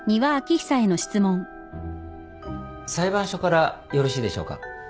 裁判所からよろしいでしょうか。